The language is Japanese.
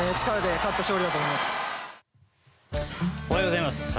おはようございます。